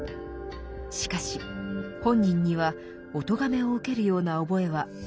しかし本人にはおとがめを受けるような覚えは全くありません。